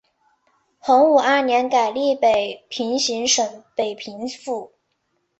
洪武二年改隶北平行省北平府。